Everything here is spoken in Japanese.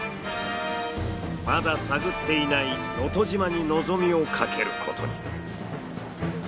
まだ探っていない能登島に望みをかけることに。